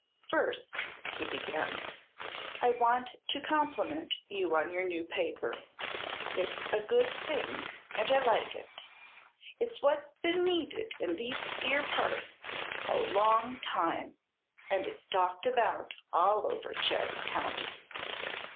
"First," he began, "I want to compliment you on your new paper. It's a good thing, and I like it. It's what's been needed in these 'ere parts a long time, and it's talked about all over Chazy County."